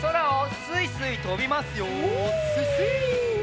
すいすい。